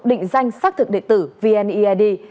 định danh xác thực điện tử vneid